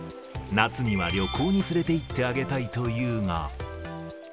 夏には旅行に連れていってあげたいというが。